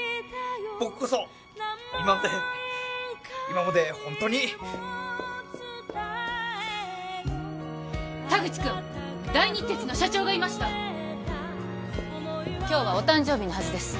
僕こそ今まで今までホントに田口君大日鉄の社長がいました今日はお誕生日のはずです